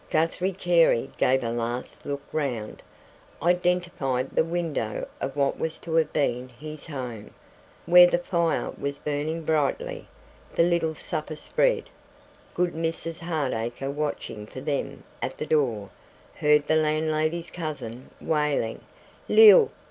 Guthrie Carey gave a last look round, identified the window of what was to have been his home, where the fire was burning brightly, the little supper spread, good Mrs Hardacre watching for them at the door heard the landlady's cousin wailing, "Lil!